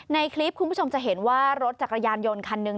ในคลิปคุณผู้ชมจะเห็นว่ารถจักรยานยนต์คันหนึ่ง